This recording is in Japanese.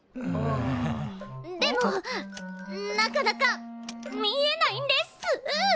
でもなかなか見えないんです！